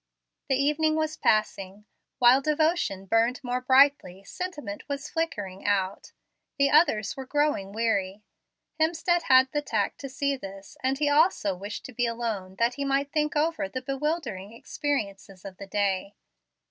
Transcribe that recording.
The evening was passing. While devotion burned more brightly, sentiment was flickering out. The others were growing weary. Hemstead had the tact to see this, and he also wished to be alone that he might think over the bewildering experiences of the day.